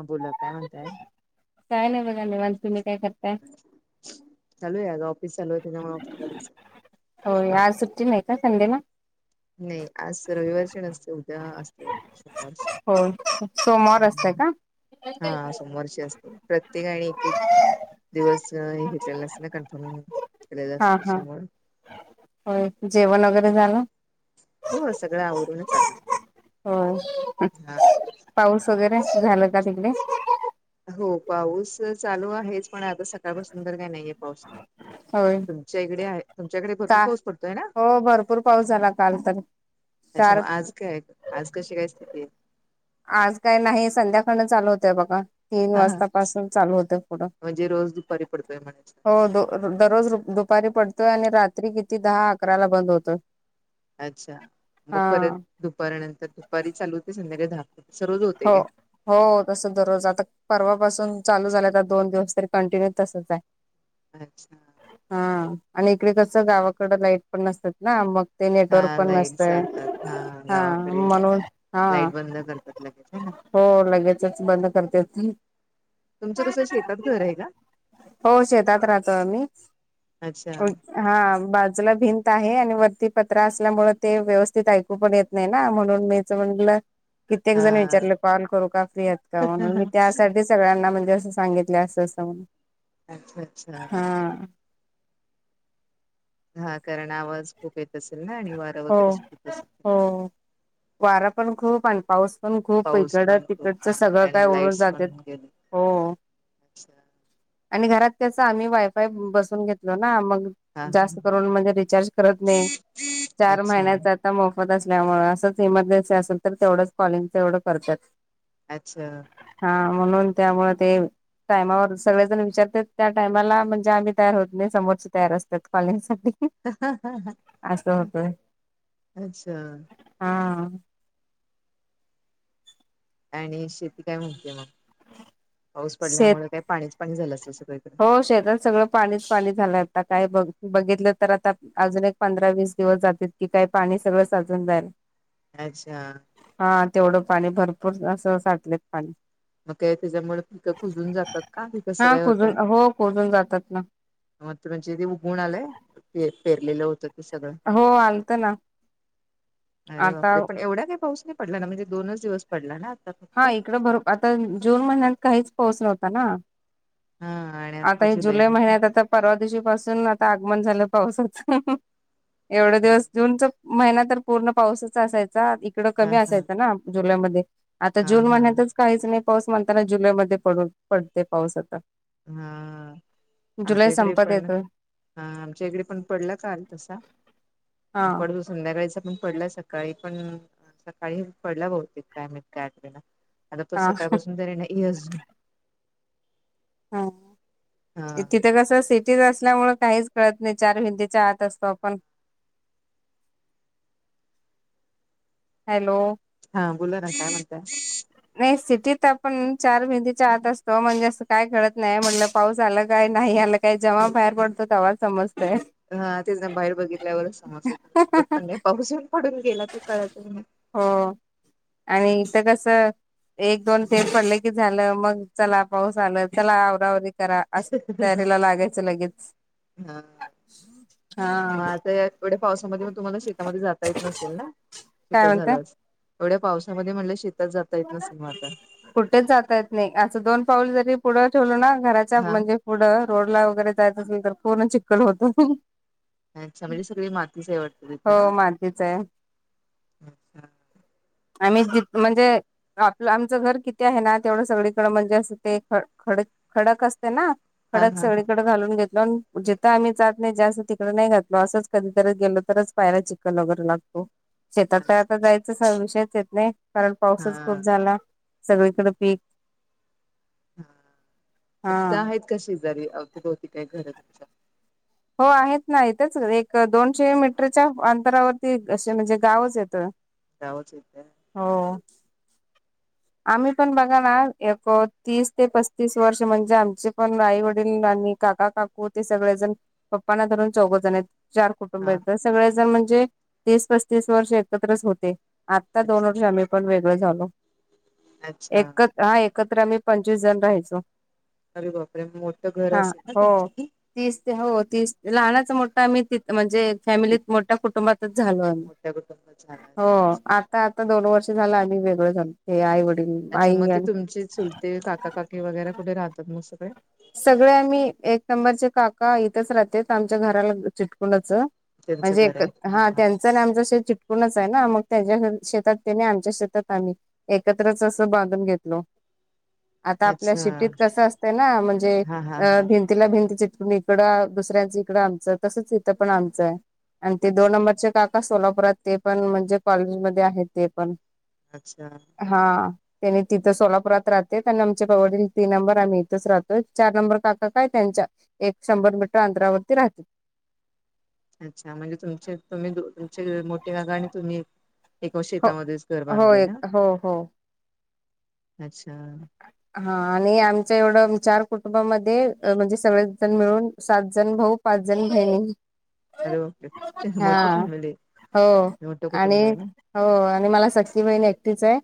हां बोला काय म्हणताय काय नाही बघा निवांत तुम्ही काय करताय? चालू आहे अग ऑफिस चालू आहेत तेच्यामुळ होय आज सुट्टी नाही का संडेला? नाही आज रविवारची नसते उद्या असते. होय सोमवार असतय का? हा सोमवारची असते. प्रत्येकाणि एक, एक दिवस हे घेतलेला असना कन्फर्म केलेला असतो त्याच्यामुळ हो जेवण वगैरे झालं? हो सगळं आवरूनच आले, होय हा. पाऊस वगैरे झालं का तिकडे? हो पाऊस चालू आहेच पण आता सकाळपासून तर काही नाहीये पाऊस. ह [unintelligible] होय तुमच्या इकडे आहे तुमच्याकडे भरपूर का पाऊस पडतोय ना हो भरपूर पाऊस झाला काल तर अच्छा मग चार आज काय? आज कशी काय स्थिती आहे? आज काय नाही संध्याकाळनं चालू होतय बघा. तीन हा हा वाजतापासून चालू होते पुढं म्हणजे रोज दुपारी पडतोय म्हणायच हो दो दररोज दुपारी पडतोय आणि रात्री किती दहा, अकराला बंद होतोय. अच्छा मग हा परत दुपारी नंतर दुपारी चालू होते संध्याकाळी दहा अस रोज हो होतेका? हो तसं दररोज आता परवापासून चालू झाल्या तर दोन दिवस तरी कंटिन्यू तसच आहे. अच्छा. हा आणि इकडे कसं गावाकडं लाईट पण नसतातना मग ते नेटवर्क हा पण लाईट नसत आहे जातात हा गावाकडे म्हणून हा लाईट बंद करतात लगेच आहे ना हो लगेचच बंद करता येतील. तुमचं कसं शेतात घर आहे का? हो शेतात राहतो आम्ही अच्छा हा बाजूला भिंत आहे आणि वरती पत्र असल्यामुळे ते व्यवस्थित ऐकू पण येत नाहीना म्हणून मीच म्हटलं कित्येक जण हा विचारले कॉल करू का फ्री आहेत का म्हणून मी त्यासाठीच सगळ्यांना म्हणजे असं सांगितले असं, असं म्हणुन. अच्छा, अच्छा.. हा कारण आवाज खूप येत असेल ना आणि वारं हो वगैरे सुटत असेल. हो वारा पण खूप आणि पाऊस पण खूप पाऊस इकडं पण खूप तिकटच हा सगळं काय आणि ओडून लाईट्स पण जातेत गेले हो. अच्छा आणि घरात कस आम्ही वायफाय बसून घेतलो ना मग हा हा जास्त हा. करून म्हणजे रिचार्ज करत नाही चार अच्छा महिन्याचा मोफत असल्यामुळे असंच इमर्जन्सी असेल तर तेवढंच कॉलिंग तेवढं करतात. अच्छा. हा म्हणून त्यामुळे ते टायमावर सगळे जण विचारत त्या टायमाला म्हणजे आम्ही तयार होत नाही समोरच्या तयार असतात कॉलिंग साठी. अच्छा. हा. आणि शेती काय म्हणते मग पाऊस शेत पडल्यामुळे काय पाणीच, पाणी झालं अस सगळीकळ? हो शेतात सगळं पाणीच, पाणी झालंय आता काय बघ बघितलं तर आता अजून एक पंधरा, वीस दिवस जातील. की काही पाणी सर्व साचून जाईल. अच्छा. हा तेवढं पाणी भरपूर असं साठले. मग ते त्याच्यामुळे पिकं कुजून जातात कास का? कोजून हो कोजून जातात ना. मागजे ते उघुण आलंय पेरलेलं होत सगळं हो आलत ना अरे आता बापरे पण एवढा काय पाऊस नाही पडला ना म्हणजे दोनच दिवस पडला ना आता फक्त? हा इकडं भर आता जून महिन्यात काहीच पाऊस नव्हता ना हा आता ह जुलै महिन्यात आता परवा दिवशी पासून आता आगमन झालं पावसात एवढे दिवस जऊनच महिना तर पूर्ण पावसाचा असायचा इकडं हा कमी हा असायच ना जुलैमध्ये आता हा जून हा. महिन्यातच काहीच नाही पाऊस म्हणताना जुलै मध्ये पडू पडते पाऊस आता हा जुलै आमच्या इकडे संपत पण येतोय हा आमच्या इकडे पण पडला काल तसा हा पड संध्या वेळेचा पण पडला सकाळी पण सकाळी पडला बहुतेक कायमतकाय आठ वला आता पुत हा सकाळपासून जरा नाज हा हा कसं सिटीच असल्यामुळे काहीच कळत नाही चार हिंदीच्या आत असतो आपण हॅलो हा बोला ना काय म्हणत ह नाही सिटीत आपण चार भेंदतीच्या आत असतो म्हणजे असं काय घडत नाही म्हटलं पाऊस आला काय नाही आलं काही जमा बाहेर पडतो तर आवज समजतय हा तेचना बाहेर बघितल्यावरच समज येत द पण पाऊस येऊन पडून गेला ते कळत नाही हो आणि इथ कस एक दोन तेेट पडले की झालं मग चला पाऊस आलं चला आवरावर करा असं तयारीला लागायचं लगेच हा हा मग आता एवढ्या पावसामध्ये मग तुम्हाला शेतामध्ये जाता येत नसेल ना शेत काय म्हणता झाला एवढ्या पावसामध्ये म्हण शेतात जाता येत नसेल मग आता कुठेच जाता येत नाही असं दोन पाऊल जरी पुढं ठेवल ना घराच्या हा म्हणजे पुढं रोड ला वगैरे जायच असेल तर पूर्ण चिकखल होत अच्छा म्हणजे सगळी मातीचही वाटते तथ हो ना मातीच आहे अच्छा आम्ही ज म्हणजे आपलं आमचं घर किती आहे ना तेवढं सगळीकडं म्हणजे असं ते ख खड खडक असते ना हा खडक हा हा सगळीकडे घालून घेतो जिथं आम्ही जात नाही जास्त तिकडे नाही घातलो असंच कधीतरी गेलो तर पायला चिकन वगैरे लागतो शेतात तर अच्छा आता जायचं विषयच येत नाही कारण हा पाऊसच खूप झाला सगळीकडें पीक हा हा फक्त आहेत का शेजारी अवतीभोवती काय घर तुमच्या हो आहेत ना इथच एक दोनशे मीटरच्या अंतरावरती असे म्हणजे गावच येतं जावच येत हो आम्ही पण बघा ना एक तीस ते पस्तीस वर्ष म्हणजे आमचे पण आई वडील आणि काका काकू ते सगळे जण पप्पांना धरून चौघजण आहेत चार कुटुंब हा सगळ म्हणजे तीस पस्तीस वर्ष एकत्रच होते आता दोन अच्छा वर्ष आम्ही पण वेगळ झालो अच्छा एकत हा एकत्र आम्ही पंचवीस जण राहायचो अरे बापरे मोठं घर हा असेल ना हो तुमचं तीस ते हो तीस लहनाच मोठा आम्ही ति म्हणजे फॅमिलीत खूप मोठ्या कुटुंबातच झालो मोठ्या कुटुंबात झाला हो असेल. आ आ आता दोन वर्ष झालं आणि वेगळं झालं हे आईवडील त्याच्यामध्ये ते तुमचे चुलते काकाकाकी वगैरे कुठे राहतात मग सगळे सगळे आम्ही एक नंबरचे काका इथच राहते आमच्या घराला चिटकुंडाच त्यांचं म्हणजे घर एकत आहे हा त्यां आमच शेत चिटकूनच आहे ना मग त्यांच्या शेतात ते नाही आमच्या शेतात आम्ही एकत्रच असं बांधून घेतल होत आता आपल्या अच्छा शिफ्टीत कस असत ना म्हणजे हा हा हा भिंतीला भिंती चिटून इकडं दुसऱ्यांच इकडं आमचं तसंच इथं पण आमचं आहे आणि ते दोन अच्छा. नंबरचे काका सोलापुरात ते पण म्हणजे कॉलेजमध्ये आहेत ते पण अच्छा! हा त्यांनी तिथं सोलापुरात राहते त्यां आमच्या कवटील तीन नंबर आम्ही इथच राहतो चार नंबर काका काय त्यांच्या एक शंभर मीटर अंतरावरती राहतात. अच्छा म्हणजे तुमचे तुम्ही मोठे काका आणि तुम्ही एका हो शेतामध्येच घर हो बांधलंय ना एक हो हो अच्छा हा आणि आमच्या एवढं चार कुटुंबामध्ये म्हणजे सगळेच जण मिळून सात जण भाऊ पाच जणी बहिणी अरे बापरे! मोठी हा फॅमिली हो मोठं आणि कुटुंब आहे ना हो आणि मला सख्खी बहिण एकटीच आहे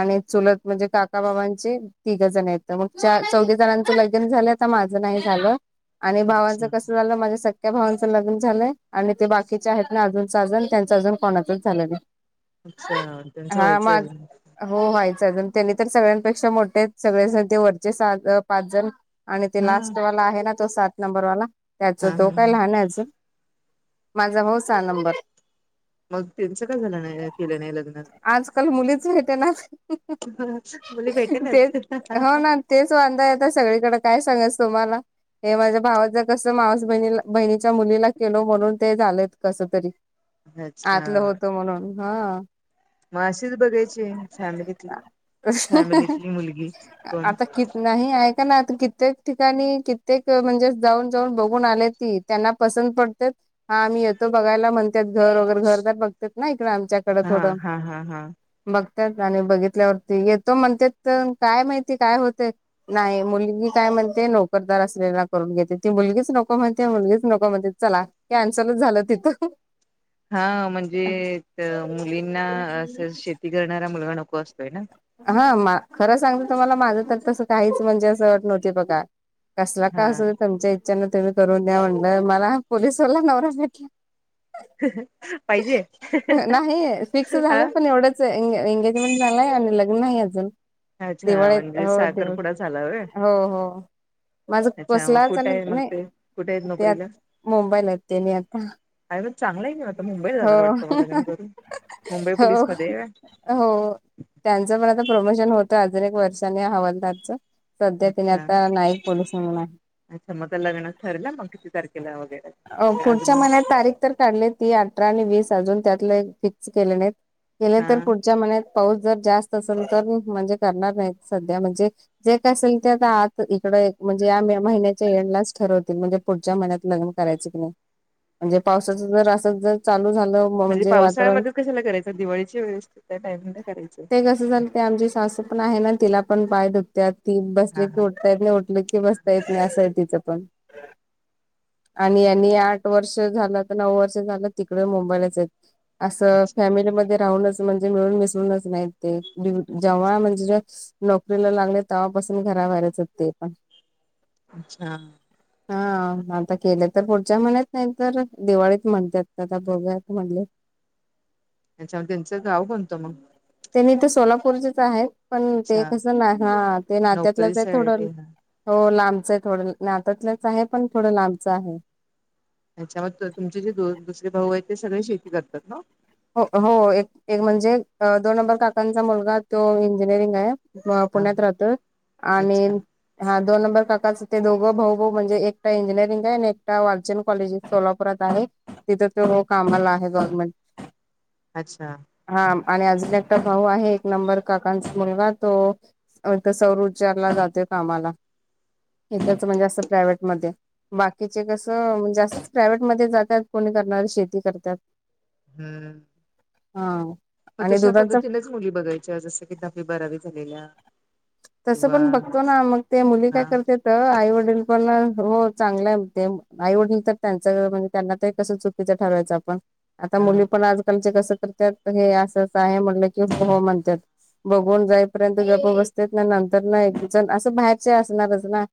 आणि चुलत म्हणजे काकाबाबां ते तिघ जण आहेत मग चौघे जणांचं लग्न झालं आता माझं नाही झालं आणि अच्छा भावांचं कस झालं माझ्या स संख्या भावांचं लग्न झालंय आणि ते बाकीचे आहेत ना अजूनच सहा जण त्यांचं अजून कोणाचच झालं नाही अच्छा त्यांचं हा व्हायचं माझ अजून हो व्हायचं अजुन त्यांनी तर सगळ्यांपेक्षा मोठे सगळे जण ते वरचे सात, पाच जण, आणि ते हा लास्ट वाला आहे ना तो सात नंबर वाला त्याच हा तो हा काय हा लहान आहे अजून माझा भाऊ सहा नंबर मग त्यांचं का झालं नाही केलं [unintelligible] नाही लग्न? आजकाल मुलीच भेटणात मुली भेटेलच तेच हो ना तेच वांदा आहे सगळीकडे काय सांगायच तुम्हाला? हे माझ्या भावा ज कस मावस बहिणीला बहिणीच्या मुलीला केलो म्हणून ते झालेत कस तरी अच्छा आतलं होतं म्हणून हा मग अशीच बघायची फॅमिलीतली फॅमिलीत आता कि नाही आहे का ना आ कित्येक ठिकाणी कित्येक म्हणजे जाऊन जाऊन बघून आले ती त्यांना पसंत पडतात हा आम्ही येतो बघायला म्हणतात घर वगैरे घर तर बघतात ना इकड आमच्या हा थोड हा हा हा बघतात आणि बघितल्यावरती येतो म्हण त्यात काय माहिती काय होतय? नाही मुलगी काय म्हणते नोकरदार असलेला करून घेते, ती मुलगीच नको म्हणते मुलगीच नको म्हणते चला. कॅन्सलच झालं तिथं. हा म्हणजे मुलींना अस शेती करणारा मुलगा नको असतोय ना हा खरं सांगते तुम्हाला माझं तर तसं काहीच म्हणजे असं अट नव्हती बघा कसला हा काय असना तुमच्या इच्छेना तुम्ही करून द्या म्हणलं मला पोलिसवाला नवरा भेटला. पाहिजे ह नाही फिक्स हा झालं पण एवढच एंगेजमेंट झालंय आणि ल नाही अजून अच्छा दिवाळी म्हणजे हो दि साखरपुडा झाला होय हो हो माझा अच्छा मग कसलाच कुठे आहे मग नाही ते कुठे आहेत ते आ नोकरीला मुंबईला आहेत तेनी आता. अ मग चांगला आहे नाही आता मुंबई जाणार वाटतं मग हो. लग्न करून मुंबई हो पोलीसमध्ये आहे होय हो त्यांचं पण आता प्रमोशन होतं अजून एक वर्षाने हवलदारच सध्या तेनी अच्छा आता नाईक पोलिस म्हणून आहे अच्छा मग लग्नाच ठरेल मग किती तारखे. अ पुढच्या महिन्यात तारीख काढली ती अठरा आणि वीस अजून त्यातले फिक्स केले नाही केले हा तर पुढच्या महिन्यात पाऊस जर जास्त असेल तर म्हणजे करणार नाहीत सध्या म्हणजे जे काय असेल ते आता आत इकड म्हणजे या महिन्याच्या एंडलाच ठरवतील म्हणजे पुढच्या महिन्यात लग्न करायच की नाही म्हणजे पावसाच जर असं जर चालू झालं. म्हणजे पावसाळ्यामध्ये कशाला करायचं दिवाळीची वेळ असती त्या टाईम करायच. ती म्हणती आमची सासू पण आहे ना तिला पण पाय दुखत्यात ती बसले हा की हा उठता येत नाही बसता येत नाही असंय तिचं पण आणि आणि आठ वर्ष झालं तर नऊ वर्ष झालं तिकडे मुंबईलाच येत. असं अच्छा फॅमिलीमध्ये राहूनच म्हणजे मिळून मिसळूनच नाही ते जेव्हा म्हणजे नोकरीला लागले तेव्हापासून घराबाहेराच हो ते पण. अच्छा. हा आता केलं तर पुढच्या महिन्यात नाही तर दिवाळीत म्हणतात का बघुया म्हणले. [unintelligible] त्यांच्यामुळे त्यांचं गाव कोणत मग? त्यांनी तर सोलापूरचेच आहेत पण ते अच्छा कसं ना ते नात्यातलंच आहे थोडं नोकरीसाठी हा हो लांबच आहे थोडं नाततलंच आहे पण थोडं लांबचं आहे. त्याच्यामध्ये तुमचे जे दो दुसरे भाऊ आहेत ते सगळे शेती करतात ना. हो हो एक एक म्हणजे दोन नंबर काकांचा मुलगा तो इंजिनिअरिंग आहे. अ हा पुण्यात हा राहत आणि अच्छा हा दोन नंबर काकाचं ते दोघं भाऊ भाऊणजे एका इंजिनिअरिंग आहे आणि एक वर्चन कॉलेजस सोलापुरात आहे तिथे त हो कामाला आहे गव्हर्मेंट. अच्छा. हा आणि अजून एकटा भाऊ आहे एक नंबर काकांचा मुलगा तो तर सौर ऊर्जाला जातोय कामाला इथं म्हणजे असत प्रायव्हेट मध्ये बाकीचे कसं जास्त प्रायवहेट मध्ये जातात कोणी करणार शेती करतात. हम्म हा म आणि तशा दुधाच पद्धतीनेच मुली बघायच्या जसं की दहावी बारावी झालेल्या. तसं किंवा पण बघतो ना मग ते मुली हा काय करते आई वडील पण हो चांगला आहे ते आई वडील तर त्यांच म्हणजे त्यांना त कस चुक त ठरवायचं आपण आता हा मुली पण आजकालचे कसं करत हे अस आहे म्हटलं की हो म्हणतात बघून जायपर्यंत गप्प बसता. त्याच्या नंतर ना एक जण असं बाहेरचे असणारच. ना